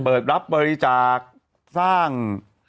เปิดรับบริจาคสร้าง